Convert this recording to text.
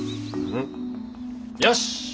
よし！